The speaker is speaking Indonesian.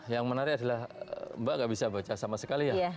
yang menarik adalah mbak nggak bisa baca sama sekali ya